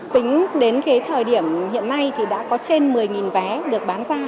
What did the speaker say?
tính đến thời điểm hiện nay thì đã có trên một mươi vé được bán ra